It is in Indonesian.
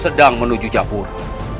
sedang menuju japura